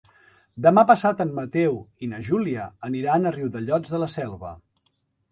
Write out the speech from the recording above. Demà passat en Mateu i na Júlia aniran a Riudellots de la Selva.